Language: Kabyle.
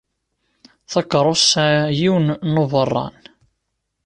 Takeṛṛust tesɛa yiwen n uberran.